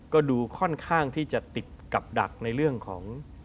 ก็ดูค่อนข้างที่จะติดกับดักในเรื่องของ